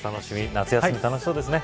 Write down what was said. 夏休み、楽しそうですね。